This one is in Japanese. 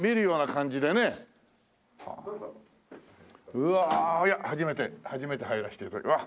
うわあいや初めて初めて入らせてうわっ！